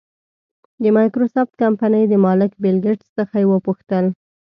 د مایکروسافټ کمپنۍ د مالک بېل ګېټس څخه وپوښتل.